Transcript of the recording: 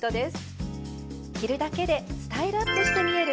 着るだけでスタイルアップして見える